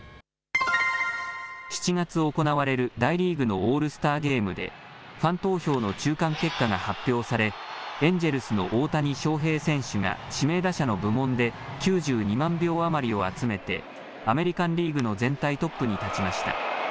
７月行われる大リーグのオールスターゲームでファン投票の中間結果が発表されエンジェルスの大谷翔平選手が指名打者の部門で９２万票余りを集めてアメリカンリーグの全体トップに立ちました。